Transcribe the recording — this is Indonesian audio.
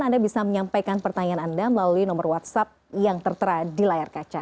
anda bisa menyampaikan pertanyaan anda melalui nomor whatsapp yang tertera di layar kaca